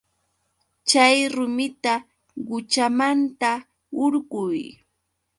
Chay rumita quchamanta hurquy.